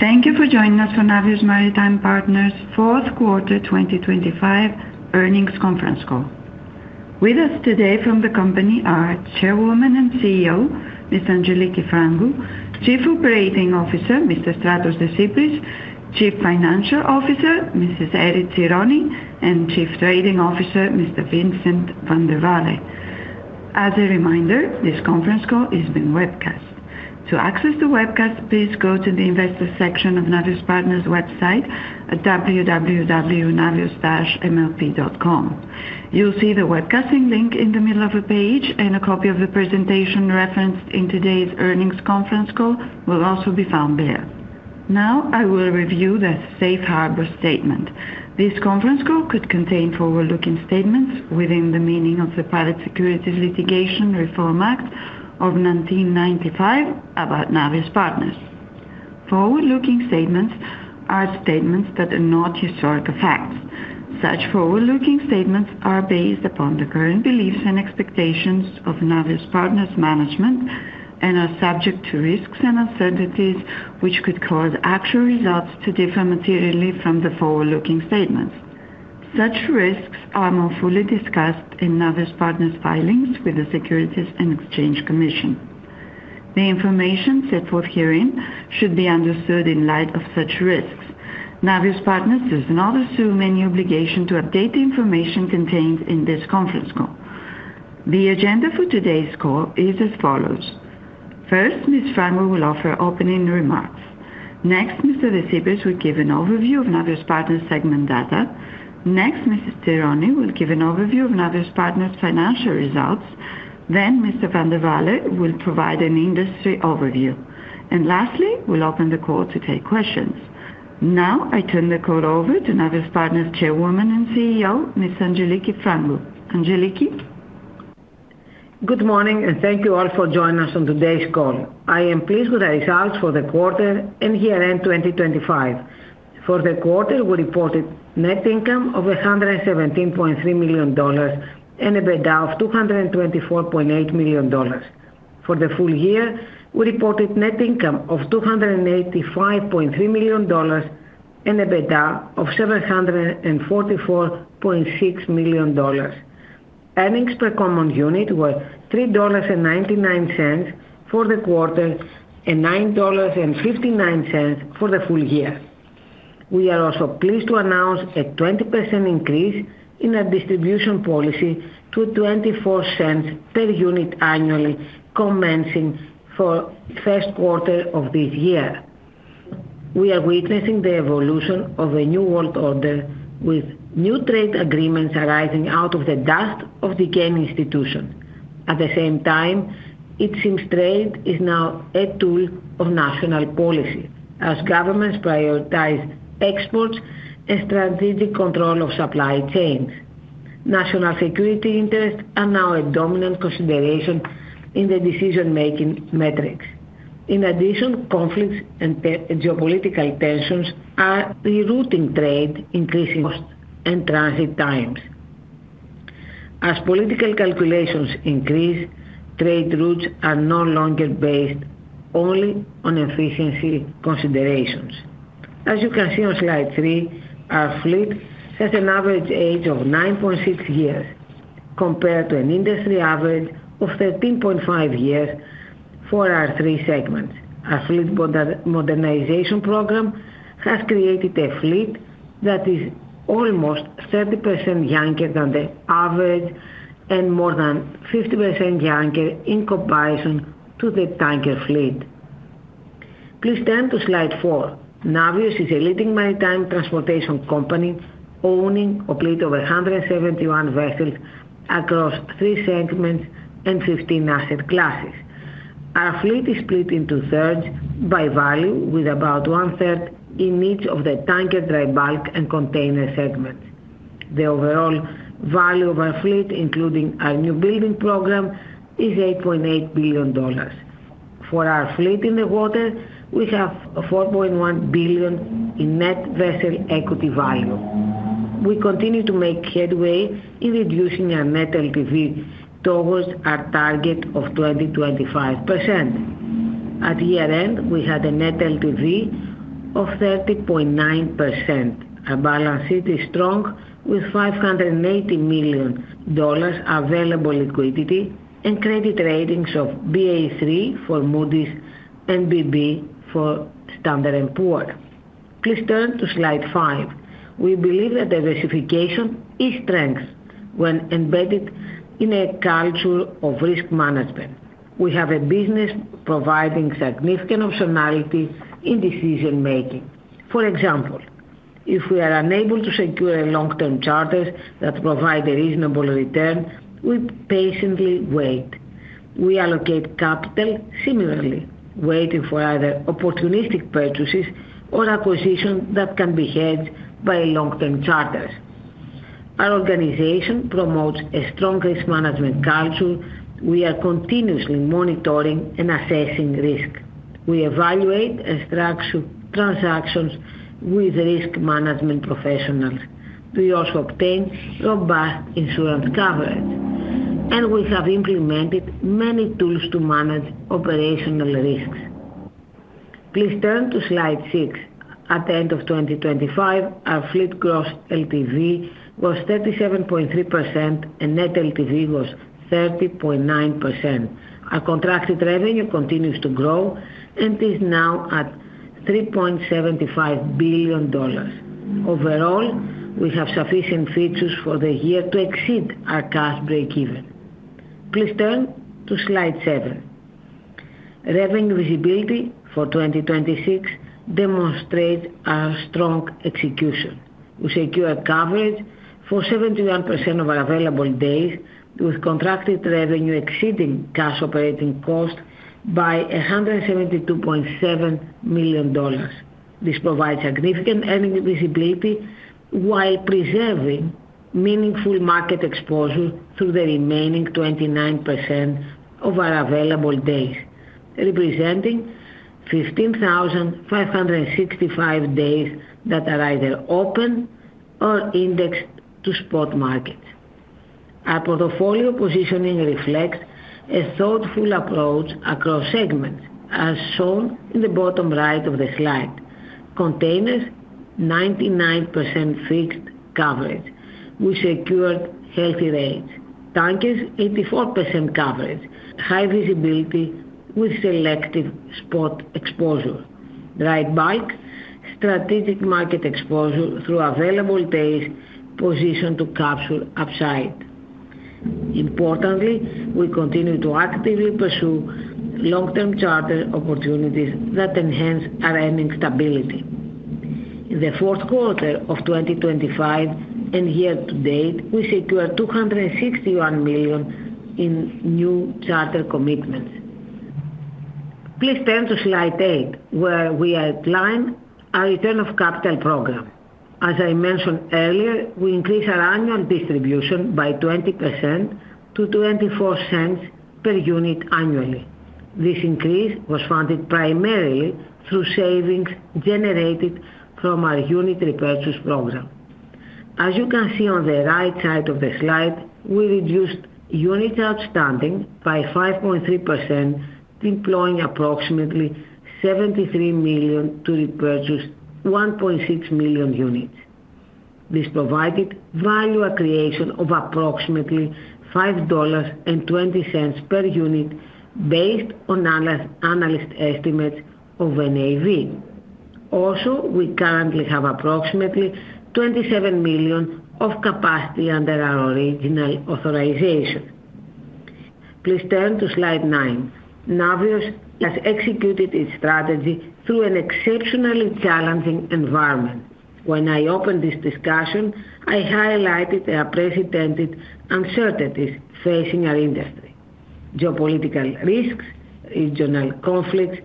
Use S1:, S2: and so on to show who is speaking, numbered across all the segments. S1: Thank you for joining us for Navios Maritime Partners' Q4 2025 Earnings Conference Call. With us today from the company are Chairwoman and CEO, Ms. Angeliki Frangou, Chief Operating Officer, Mr. Stratos Desypris, Chief Financial Officer, Mrs. Erifili Tsironi, and Chief Trading Officer, Mr. Vincent Vandewalle. As a reminder, this conference call is being webcast. To access the webcast, please go to the investor section of Navios Partners website at www.navios-mlp.com. You'll see the webcasting link in the middle of the page, and a copy of the presentation referenced in today's earnings conference call will also be found there. Now, I will review the safe harbor statement. This conference call could contain forward-looking statements within the meaning of the Private Securities Litigation Reform Act of 1995 about Navios Partners. Forward-looking statements are statements that are not historical facts. Such forward-looking statements are based upon the current beliefs and expectations of Navios Partners' management and are subject to risks and uncertainties which could cause actual results to differ materially from the forward-looking statements. Such risks are more fully discussed in Navios Partners' filings with the Securities and Exchange Commission. The information set forth herein should be understood in light of such risks. Navios Partners does not assume any obligation to update the information contained in this conference call. The agenda for today's call is as follows: First, Ms. Frangou will offer opening remarks. Next, Mr. Desypris will give an overview of Navios Partners segment data. Next, Mrs. Tsironi will give an overview of Navios Partners' financial results. Then Mr. Vandewalle will provide an industry overview, and lastly, we'll open the call to take questions. Now, I turn the call over to Navios Partners Chairwoman and CEO, Ms. Angeliki Frangou. Angeliki?
S2: Good morning, and thank you all for joining us on today's call. I am pleased with the results for the quarter and year-end 2025. For the quarter, we reported net income of $117.3 million and EBITDA of $224.8 million. For the full year, we reported net income of $285.3 million and EBITDA of $744.6 million. Earnings per common unit were $3.99 for the quarter and $9.59 for the full year. We are also pleased to announce a 20% increase in our distribution policy to 24 cents per unit annually, commencing for Q1 of this year. We are witnessing the evolution of a new world order, with new trade agreements arising out of the dust of the global institutions. At the same time, it seems trade is now a tool of national policy as governments prioritize exports and strategic control of supply chains. National security interests are now a dominant consideration in the decision-making metrics. In addition, conflicts and geopolitical tensions are rerouting trade, increasing costs and transit times. As political calculations increase, trade routes are no longer based only on efficiency considerations. As you can see on slide three, our fleet has an average age of nine point six years, compared to an industry average of 13.5 years for our three segments. Our fleet modernization program has created a fleet that is almost 30% younger than the average and more than 50% younger in comparison to the tanker fleet. Please turn to slide four. Navios is a leading maritime transportation company, owning a fleet of 171 vessels across three segments and 15 asset classes. Our fleet is split into thirds by value, with about one-third in each of the tanker, dry bulk, and container segments. The overall value of our fleet, including our new building program, is $8.8 billion. For our fleet in the water, we have $4.1 billion in net vessel equity value. We continue to make headway in reducing our net LTV towards our target of 25%. At year-end, we had a net LTV of 30.9%. Our balance sheet is strong, with $580 million available liquidity and credit ratings of Baa3 for Moody's and BB for Standard & Poor's. Please turn to slide five. We believe that diversification is strength when embedded in a culture of risk management. We have a business providing significant optionality in decision making. For example, if we are unable to secure long-term charters that provide a reasonable return, we patiently wait. We allocate capital similarly, waiting for either opportunistic purchases or acquisitions that can be hedged by long-term charters. Our organization promotes a strong risk management culture. We are continuously monitoring and assessing risk. We evaluate and structure transactions with risk management professionals. We also obtain robust insurance coverage... and we have implemented many tools to manage operational risks. Please turn to slide six. At the end of 2025, our fleet gross LTV was 37.3% and net LTV was 30.9%. Our contracted revenue continues to grow and is now at $3.75 billion. Overall, we have sufficient fixtures for the year to exceed our cash breakeven. Please turn to slide seven. Revenue visibility for 2026 demonstrates our strong execution. We secure coverage for 71% of our available days, with contracted revenue exceeding cash operating cost by $172.7 million. This provides significant earnings visibility while preserving meaningful market exposure through the remaining 29% of our available days, representing 15,565 days that are either open or indexed to spot market. Our portfolio positioning reflects a thoughtful approach across segments, as shown in the bottom right of the slide. Containers, 99% fixed coverage, we secured healthy rates. Tankers, 84% coverage, high visibility with selective spot exposure. Dry bulk, strategic market exposure through available days positioned to capture upside. Importantly, we continue to actively pursue long-term charter opportunities that enhance our earning stability. In the Q4 of 2025 and year-to-date, we secured $261 million in new charter commitments. Please turn to slide eight, where we outline our return of capital program. As I mentioned earlier, we increased our annual distribution by 20% to $0.24 per unit annually. This increase was funded primarily through savings generated from our unit repurchase program. As you can see on the right side of the slide, we reduced units outstanding by 5.3%, deploying approximately $73 million to repurchase 1.6 million units. This provided value creation of approximately $5.20 per unit based on analyst estimates of NAV. Also, we currently have approximately $27 million of capacity under our original authorization. Please turn to slide nine. Navios has executed its strategy through an exceptionally challenging environment. When I opened this discussion, I highlighted the unprecedented uncertainties facing our industry: geopolitical risks, regional conflicts,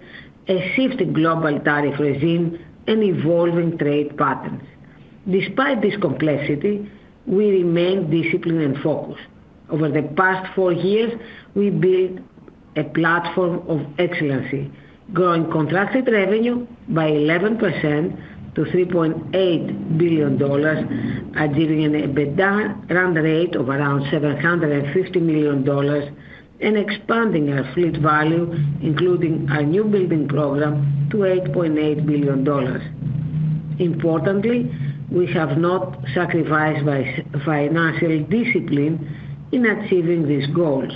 S2: a shifting global tariff regime, and evolving trade patterns. Despite this complexity, we remain disciplined and focused. Over the past four years, we built a platform of excellence, growing contracted revenue by 11% to $3.8 billion, achieving an EBITDA run rate of around $750 million, and expanding our fleet value, including our new building program, to $8.8 billion. Importantly, we have not sacrificed financial discipline in achieving these goals.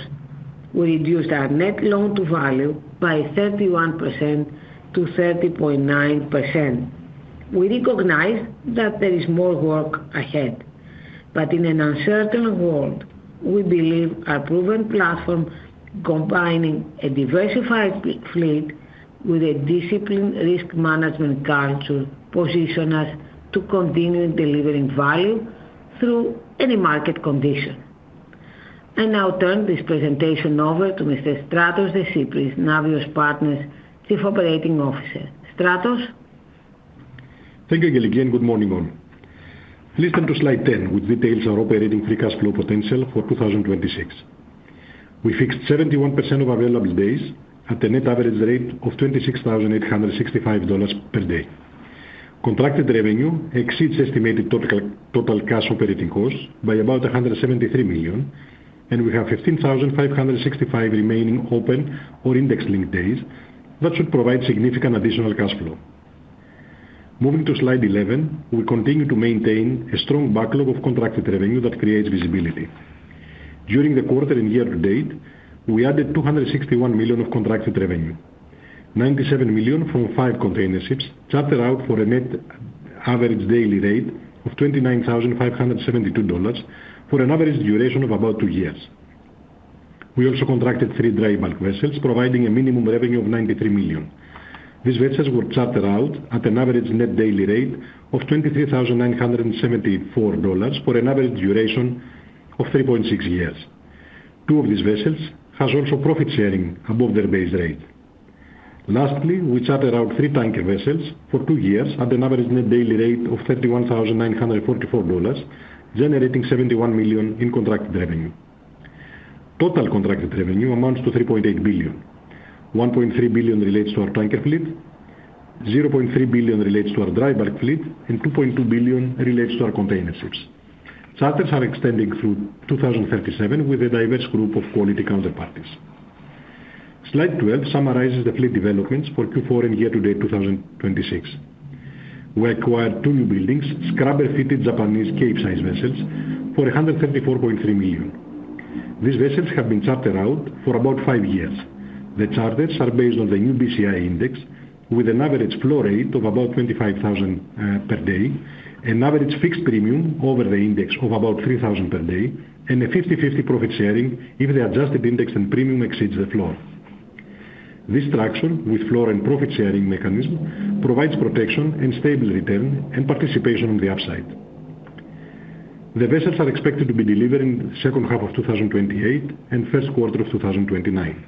S2: We reduced our net loan-to-value by 31% to 30.9%. We recognize that there is more work ahead, but in an uncertain world, we believe our proven platform, combining a diversified fleet with a disciplined risk management culture, position us to continue delivering value through any market condition. I now turn this presentation over to Mr. Stratos Desypris, Navios Partners Chief Operating Officer. Stratos?
S3: Thank you, Angeliki, and good morning, all. Please turn to slide 10, which details our operating free cash flow potential for 2026. We fixed 71% of available days at a net average rate of $26,865 per day. Contracted revenue exceeds estimated total, total cash operating costs by about $173 million, and we have 15,565 remaining open or index-linked days that should provide significant additional cash flow. Moving to slide 11, we continue to maintain a strong backlog of contracted revenue that creates visibility. During the quarter and year-to-date, we added $261 million of contracted revenue, $97 million from five containerships chartered out for a net average daily rate of $29,572 for an average duration of about two years. We also contracted three dry bulk vessels, providing a minimum revenue of $93 million. These vessels were chartered out at an average net daily rate of $23,974 for an average duration of three point six years. two of these vessels has also profit sharing above their base rate. Lastly, we chartered out three tanker vessels for two years at an average net daily rate of $31,944, generating $71 million in contracted revenue. Total contracted revenue amounts to $3.8 billion. $1.3 billion relates to our tanker fleet. $0.3 billion relates to our dry bulk fleet and $2.2 billion relates to our container ships. Charters are extending through 2037 with a diverse group of quality counterparties. Slide 12 summarizes the fleet developments for Q4 and year-to-date 2026. We acquired two new buildings, scrubber-fitted Japanese Capesize vessels for $134.3 million. These vessels have been chartered out for about five years. The charters are based on the new BCI index, with an average floor rate of about $25,000 per day, an average fixed premium over the index of about $3,000 per day, and a 50/50 profit sharing if the adjusted index and premium exceeds the floor. This structure, with floor and profit sharing mechanism, provides protection and stable return and participation on the upside. The vessels are expected to be delivered in the second half of 2028 andQ1 of 2029.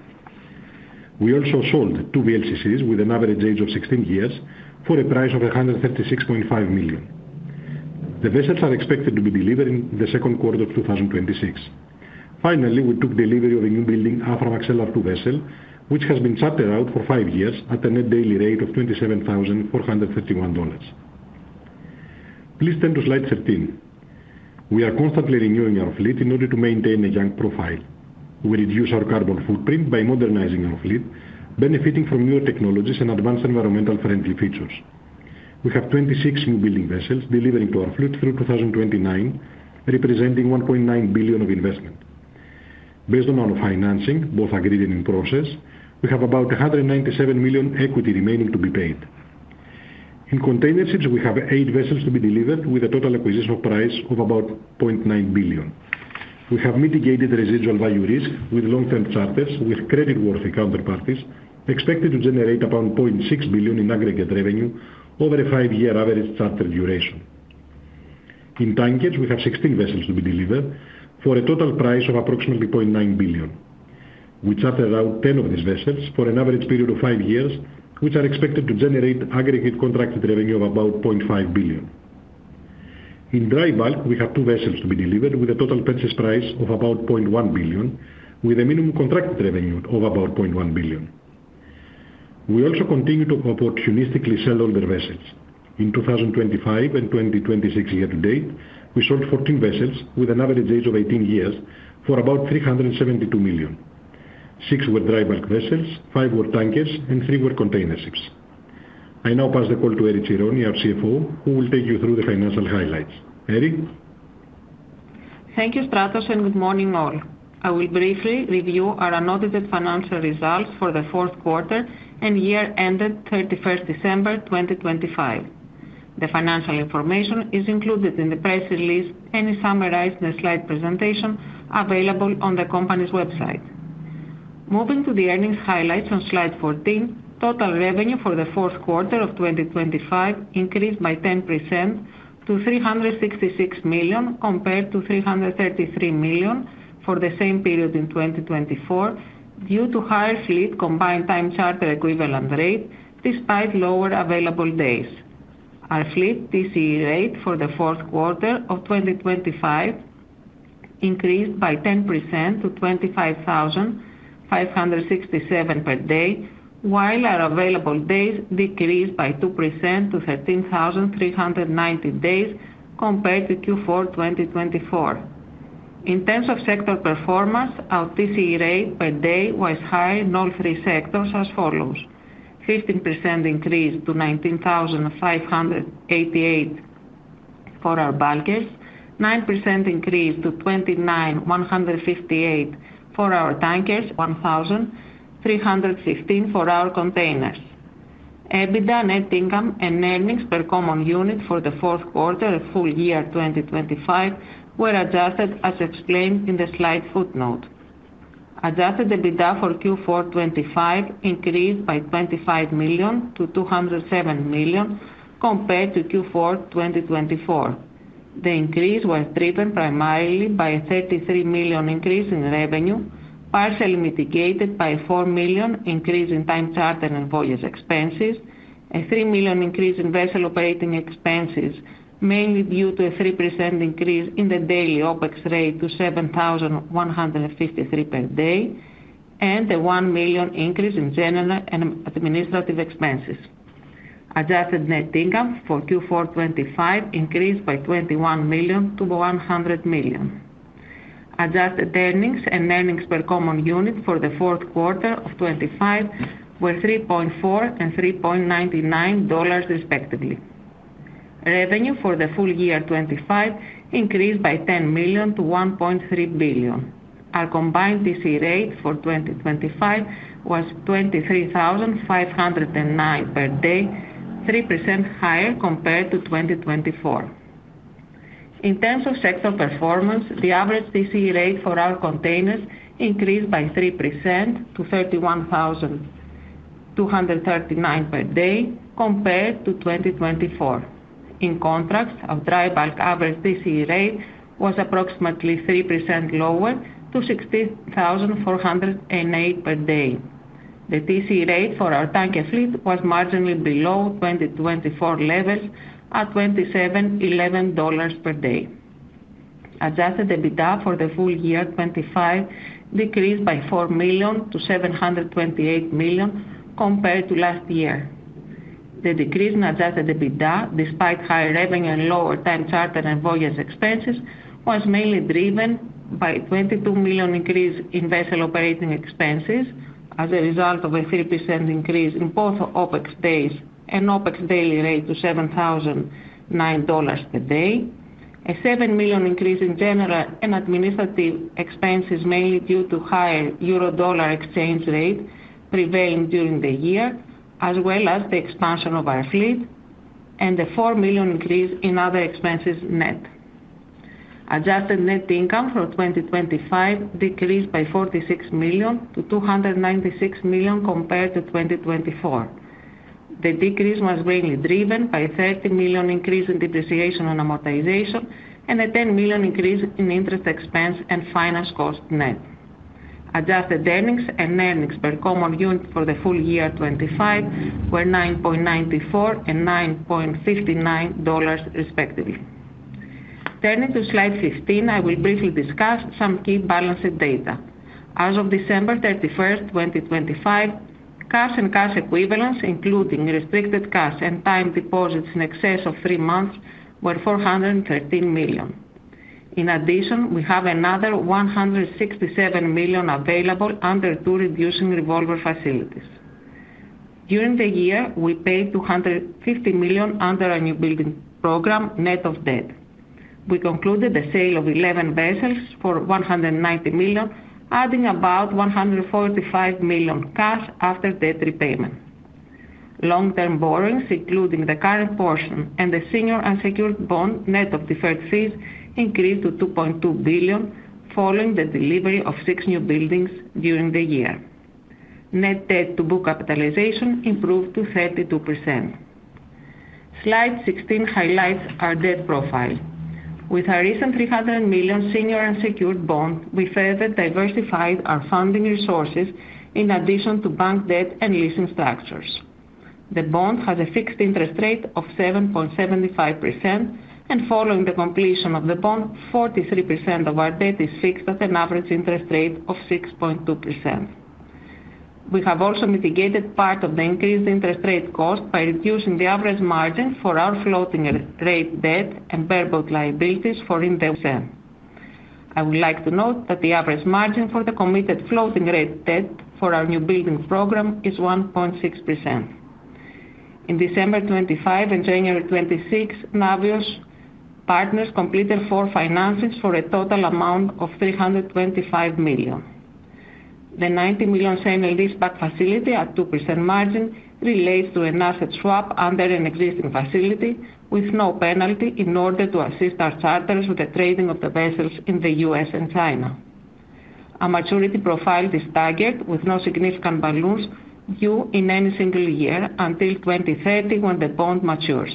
S3: We also sold two VLCCs with an average age of 16 years for a price of $136.5 million. The vessels are expected to be delivered in the Q2 of 2026. Finally, we took delivery of a new building Aframax LR2 vessel, which has been chartered out for five years at a net daily rate of $27,451. Please turn to slide 13. We are constantly renewing our fleet in order to maintain a young profile. We reduce our carbon footprint by modernizing our fleet, benefiting from newer technologies and advanced environmentally friendly features. We have 26 new building vessels delivering to our fleet through 2029, representing $1.9 billion of investment. Based on our financing, both agreed and in process, we have about $197 million equity remaining to be paid. In container ships, we have eight vessels to be delivered with a total acquisition price of about $0.9 billion. We have mitigated the residual value risk with long-term charters, with creditworthy counterparties expected to generate around $0.6 billion in aggregate revenue over a five-year average charter duration. In tankers, we have 16 vessels to be delivered for a total price of approximately $0.9 billion. We chartered out 10 of these vessels for an average period of five years, which are expected to generate aggregate contracted revenue of about $0.5 billion. In dry bulk, we have two vessels to be delivered with a total purchase price of about $0.1 billion, with a minimum contracted revenue of about $0.1 billion. We also continue to opportunistically sell older vessels. In 2025 and 2026 year-to-date, we sold 14 vessels with an average age of 18 years for about $372 million. Six were dry cargo vessels, five were tankers, and three were container ships. I now pass the call to Erifili Tsironi, our CFO, who will take you through the financial highlights. Eri?
S4: Thank you, Stratos, and good morning, all. I will briefly review our unaudited financial results for the Q4 and year ended 31st December 2025. The financial information is included in the press release and is summarized in a slide presentation available on the company's website. Moving to the earnings highlights on slide 14, total revenue for the Q4 of 2025 increased by 10% to $366 million, compared to $333 million for the same period in 2024, due to higher fleet combined time charter equivalent rate, despite lower available days. Our fleet TCE rate for the Q4 of 2025 increased by 10% to 25,567 per day, while our available days decreased by 2% to 13,390 days compared to Q4 2024. In terms of sector performance, our TCE rate per day was high in all three sectors as follows: 15% increase to 19,588 for our bulkers, 9% increase to 29,158 for our tankers, 31,316 for our containers. EBITDA, net income and earnings per common unit for the Q4 and full year 2025 were adjusted as explained in the slide footnote. Adjusted EBITDA for Q4 2025 increased by $25 million to $207 million compared to Q4 2024. The increase was driven primarily by a $33 million increase in revenue, partially mitigated by $4 million increase in time charter and voyage expenses, a $3 million increase in vessel operating expenses, mainly due to a 3% increase in the daily OpEx rate to 7,153 per day, and a $1 million increase in general and administrative expenses. Adjusted net income for Q4 2025 increased by $21 million to $100 million. Adjusted earnings and earnings per common unit for the Q4 of 2025 were $3.40 and $3.99, respectively. Revenue for the full year 2025 increased by $10 million to $1.3 billion. Our combined TCE rate for 2025 was 23,509 per day, 3% higher compared to 2024. In terms of sector performance, the average TCE rate for our containers increased by 3% to $31,239 per day compared to 2024. In contrast, our dry bulk average TCE rate was approximately 3% lower to $16,408 per day. The TCE rate for our tanker fleet was marginally below 2024 levels at $27,111 per day. Adjusted EBITDA for the full year 2025 decreased by $4 million to $728 million compared to last year. The decrease in adjusted EBITDA, despite higher revenue and lower time charter and voyage expenses, was mainly driven by a $22 million increase in vessel operating expenses as a result of a 3% increase in both OpEx days and OpEx daily rate to $7,009 per day. A $7 million increase in general and administrative expenses, mainly due to higher euro-dollar exchange rate prevailing during the year, as well as the expansion of our fleet, and a $4 million increase in other expenses net. Adjusted net income for 2025 decreased by $46 million to $296 million compared to 2024. The decrease was mainly driven by a $30 million increase in depreciation and amortization, and a $10 million increase in interest expense and finance cost net. Adjusted earnings and earnings per common unit for the full year 2025 were $9.94 and $9.59, respectively. Turning to Slide 15, I will briefly discuss some key balancing data. As of December 31, 2025, cash and cash equivalents, including restricted cash and time deposits in excess of three months, were $413 million. In addition, we have another $167 million available under two reducing revolver facilities. During the year, we paid $250 million under our new building program, net of debt. We concluded the sale of 11 vessels for $190 million, adding about $145 million cash after debt repayment. Long-term borrowings, including the current portion and the senior unsecured bond, net of deferred fees, increased to $2.2 billion, following the delivery of six new buildings during the year. Net debt to book capitalization improved to 32%. Slide 16 highlights our debt profile. With our recent $300 million senior unsecured bond, we further diversified our funding resources in addition to bank debt and leasing structures. The bond has a fixed interest rate of 7.75%, and following the completion of the bond, 43% of our debt is fixed at an average interest rate of 6.2%. We have also mitigated part of the increased interest rate cost by reducing the average margin for our floating rate debt and bareboat liabilities to 80%. I would like to note that the average margin for the committed floating rate debt for our new building program is 1.6%. In December 2025 and January 2026, Navios Partners completed four financings for a total amount of $325 million. The $90 million sale and leaseback facility at 2% margin relates to an asset swap under an existing facility with no penalty in order to assist our charters with the trading of the vessels in the U.S. and China. Our maturity profile is staggered, with no significant balloons due in any single year until 2030, when the bond matures.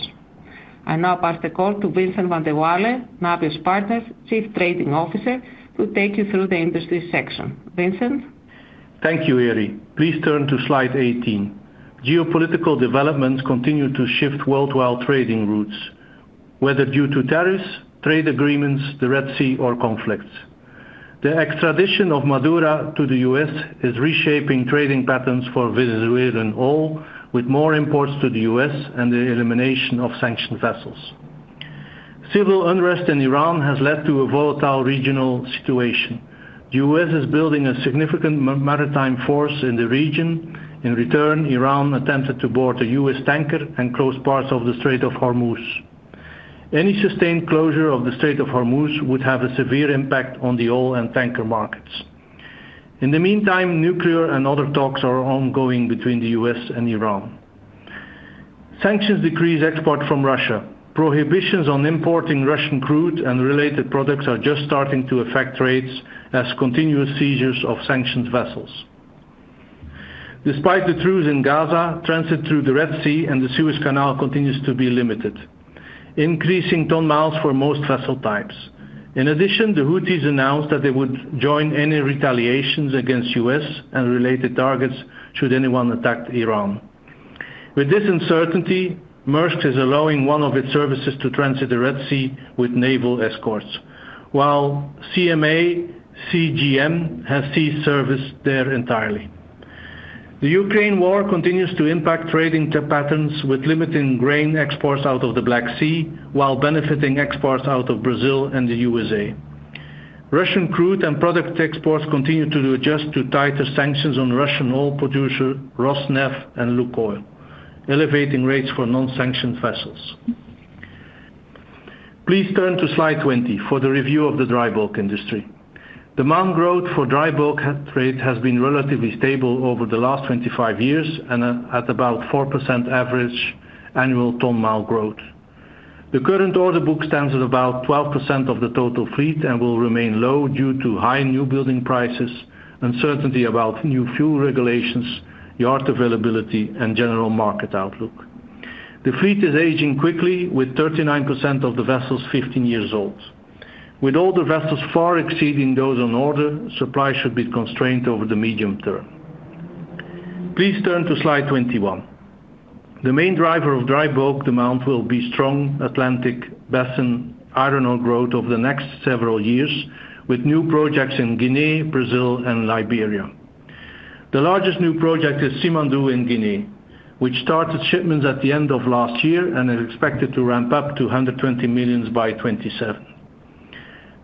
S4: I now pass the call to Vincent Vandewalle, Navios Partners Chief Trading Officer, to take you through the industry section. Vincent?
S5: Thank you, Erifili. Please turn to slide 18. Geopolitical developments continue to shift worldwide trading routes, whether due to tariffs, trade agreements, the Red Sea, or conflicts. The extradition of Maduro to the U.S. is reshaping trading patterns for Venezuelan oil, with more imports to the U.S. and the elimination of sanctioned vessels. Civil unrest in Iran has led to a volatile regional situation. The U.S. is building a significant maritime force in the region. In return, Iran attempted to board a U.S. tanker and close parts of the Strait of Hormuz. Any sustained closure of the Strait of Hormuz would have a severe impact on the oil and tanker markets. In the meantime, nuclear and other talks are ongoing between the U.S. and Iran. Sanctions decrease export from Russia. Prohibitions on importing Russian crude and related products are just starting to affect rates as continuous seizures of sanctioned vessels. Despite the truce in Gaza, transit through the Red Sea and the Suez Canal continues to be limited, increasing ton miles for most vessel types. In addition, the Houthis announced that they would join any retaliations against U.S. and related targets should anyone attack Iran. With this uncertainty, Maersk is allowing one of its services to transit the Red Sea with naval escorts, while CMA CGM has ceased service there entirely. The Ukraine war continues to impact trading patterns, with limiting grain exports out of the Black Sea, while benefiting exports out of Brazil and the USA. Russian crude and product exports continue to adjust to tighter sanctions on Russian oil producer Rosneft and Lukoil, elevating rates for non-sanctioned vessels. Please turn to slide 20 for the review of the dry bulk industry. Demand growth for dry bulk trade has been relatively stable over the last 25 years and at about 4% average annual ton-mile growth. The current order book stands at about 12% of the total fleet and will remain low due to high new building prices, uncertainty about new fuel regulations, yard availability, and general market outlook. The fleet is aging quickly, with 39% of the vessels 15 years old. With older vessels far exceeding those on order, supply should be constrained over the medium term.... Please turn to slide 21. The main driver of dry bulk demand will be strong Atlantic Basin iron ore growth over the next several years, with new projects in Guinea, Brazil, and Liberia. The largest new project is Simandou in Guinea, which started shipments at the end of last year and is expected to ramp up to 120 million by 2027.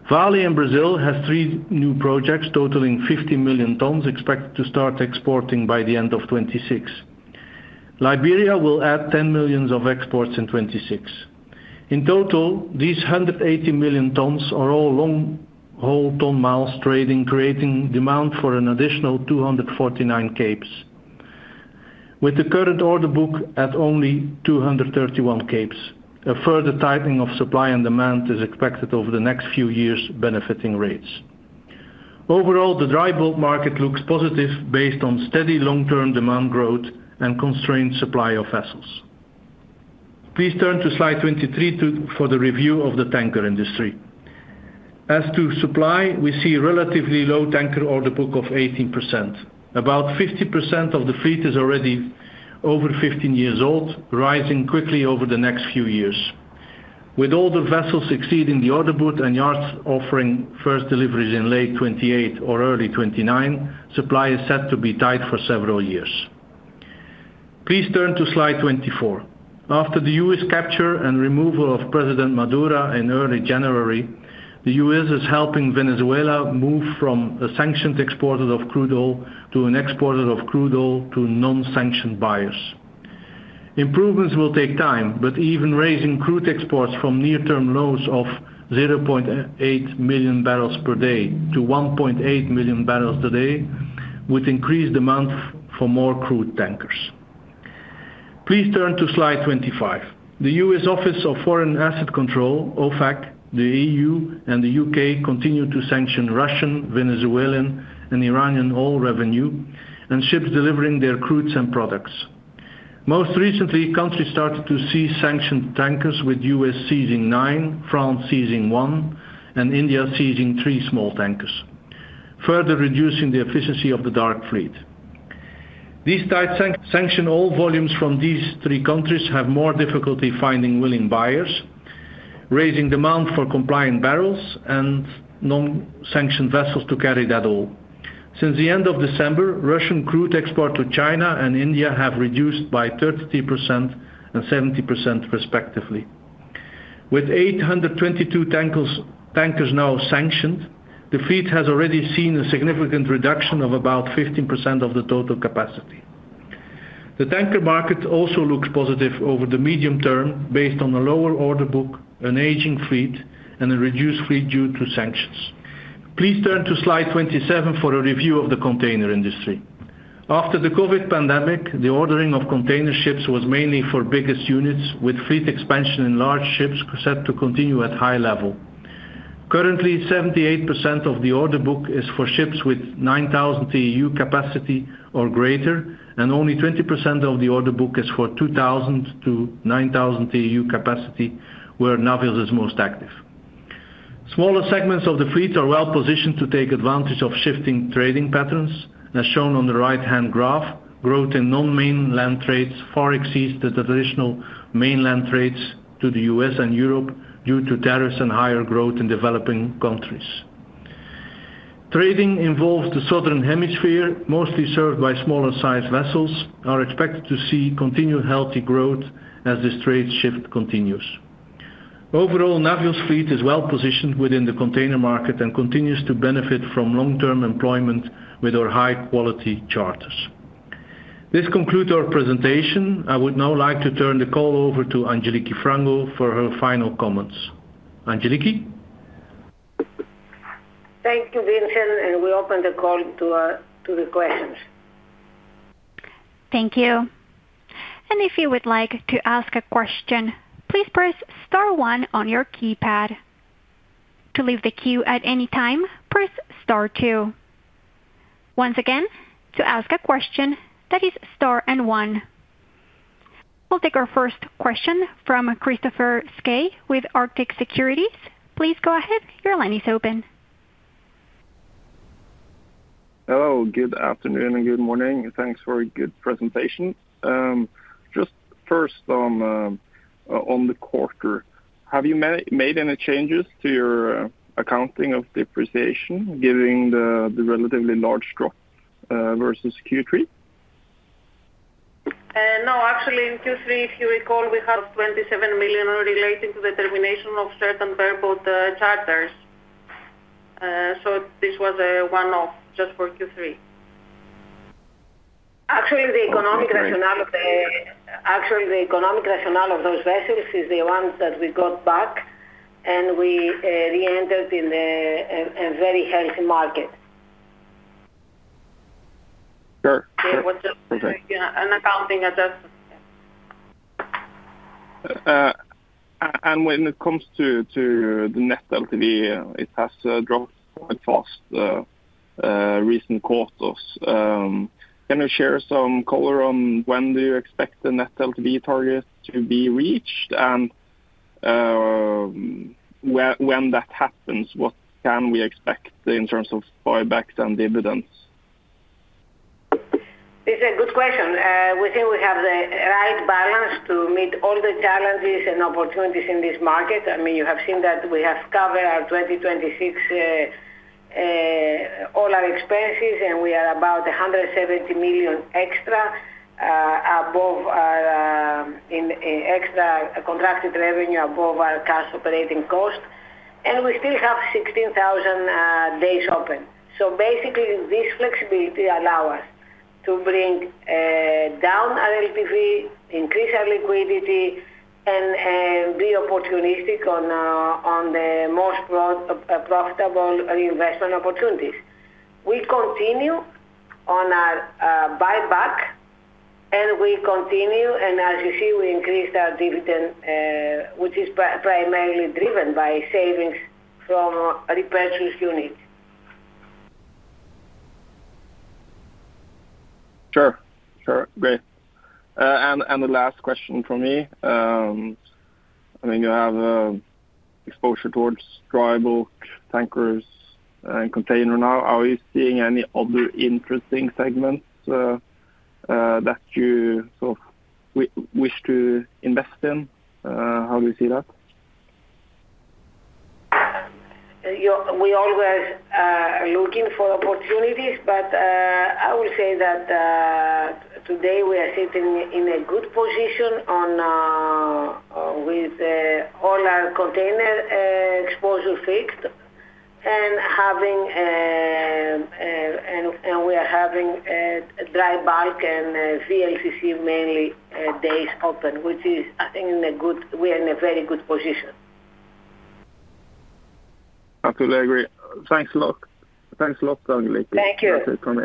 S5: Vale in Brazil has three new projects totaling 50 million tons, expected to start exporting by the end of 2026. Liberia will add 10 million of exports in 2026. In total, these 180 million tons are all long-haul ton-miles trading, creating demand for an additional 249 capes. With the current order book at only 231 capes, a further tightening of supply and demand is expected over the next few years, benefiting rates. Overall, the dry bulk market looks positive based on steady long-term demand growth and constrained supply of vessels. Please turn to slide 23 to, for the review of the tanker industry. As to supply, we see relatively low tanker order book of 18%. About 50% of the fleet is already over 15 years old, rising quickly over the next few years. With all the vessels exceeding the order book and yards offering first deliveries in late 2028 or early 2029, supply is set to be tight for several years. Please turn to slide 24. After the U.S. capture and removal of President Maduro in early January, the U.S. is helping Venezuela move from a sanctioned exporter of crude oil to an exporter of crude oil to non-sanctioned buyers. Improvements will take time, but even raising crude exports from near-term lows of 0.8 million barrels per day to 1.8 million barrels a day, would increase demand for more crude tankers. Please turn to slide 25. The U.S. Office of Foreign Assets Control, OFAC, the EU, and the UK continue to sanction Russian, Venezuelan, and Iranian oil revenue, and ships delivering their crudes and products. Most recently, countries started to seize sanctioned tankers, with U.S. seizing nine, France seizing one, and India seizing three small tankers, further reducing the efficiency of the dark fleet. These tight sanctioned oil volumes from these three countries have more difficulty finding willing buyers, raising demand for compliant barrels and non-sanctioned vessels to carry that oil. Since the end of December, Russian crude export to China and India have reduced by 30% and 70% respectively. With 822 tankers now sanctioned, the fleet has already seen a significant reduction of about 15% of the total capacity. The tanker market also looks positive over the medium term, based on a lower order book, an aging fleet, and a reduced fleet due to sanctions. Please turn to slide 27 for a review of the container industry. After the COVID pandemic, the ordering of container ships was mainly for biggest units, with fleet expansion in large ships set to continue at high level. Currently, 78% of the order book is for ships with 9,000 TEU capacity or greater, and only 20% of the order book is for 2,000-9,000 TEU capacity, where Navios is most active. Smaller segments of the fleet are well positioned to take advantage of shifting trading patterns. As shown on the right-hand graph, growth in non-mainland trades far exceeds the traditional mainland trades to the U.S. and Europe due to tariffs and higher growth in developing countries. Trading involving the southern hemisphere, mostly served by smaller-sized vessels, are expected to see continued healthy growth as this trade shift continues. Overall, Navios fleet is well positioned within the container market and continues to benefit from long-term employment with our high-quality charters. This concludes our presentation. I would now like to turn the call over to Angeliki Frangou for her final comments. Angeliki?
S2: Thank you, Vincent, and we open the call to the questions.
S1: Thank you. And if you would like to ask a question, please press star one on your keypad. To leave the queue at any time, press star two. Once again, to ask a question, that is star and one. We'll take our first question from Kristoffer Skeie with Arctic Securities. Please go ahead. Your line is open.
S6: Hello, good afternoon and good morning. Thanks for a good presentation. Just first on the quarter, have you made any changes to your accounting of depreciation, given the relatively large drop versus Q3?
S4: No. Actually, in Q3, if you recall, we have $27 million relating to the termination of certain variable charters. So this was a one-off just for Q3.
S2: Actually, the economic rationale of the-
S6: Okay.
S2: Actually, the economic rationale of those vessels is the ones that we got back, and we reentered in a very healthy market.
S6: Sure.
S4: It was just-
S6: Okay...
S4: an accounting adjustment.
S6: And when it comes to the net LTV, it has dropped quite fast in recent quarters. Can you share some color on when do you expect the net LTV target to be reached? And when that happens, what can we expect in terms of buybacks and dividends?
S2: It's a good question. We think we have the right balance to meet all the challenges and opportunities in this market. I mean, you have seen that we have covered our 2026, all our expenses, and we are about $170 million extra, above our, in, in extra contracted revenue above our cash operating cost, and we still have 16,000 days open. So basically, this flexibility allow us to bring, down our LTV, increase our liquidity, and, be opportunistic on, on the most profitable investment opportunities. We continue on our, buyback, and we continue, and as you see, we increased our dividend, which is primarily driven by savings from repurchased units.
S6: Sure. Sure. Great. And the last question from me, I think you have exposure towards dry bulk, tankers, and container now. Are you seeing any other interesting segments that you sort of wish to invest in? How do you see that?
S2: Yeah, we always are looking for opportunities, but I will say that today we are sitting in a good position on with all our container exposure fixed. And we are having a dry bulk and VLCC, mainly days open, which is, I think, in a good—we are in a very good position.
S6: Absolutely, I agree. Thanks a lot. Thanks a lot, Angeliki-
S2: Thank you.
S6: For the comments.